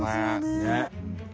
ねっ。